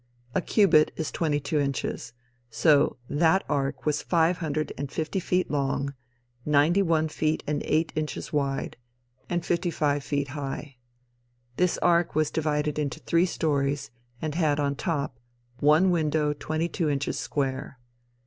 A cubit is twenty two inches; so that the ark was five hundred and fifty feet long, ninety one feet and eight inches wide and fifty five feet high. This ark was divided into three stories, and had on top, one window twenty two inches square.